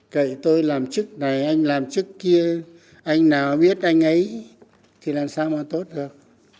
cậy tôi làm chức này anh làm chức kia anh nào biết anh ấy thì làm sao mà tốt được